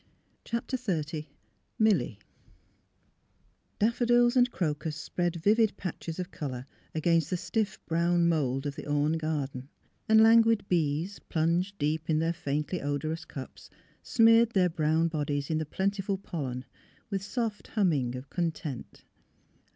CHAPTER XXX MILLY Daffodils and crocus spread vivid patches of colour against the stiff brown mould of the Orne garden, and languid bees, plunged deep in their faintly odorous cups, smeared their brown bodies in the plentiful pollen with soft humming of con tent.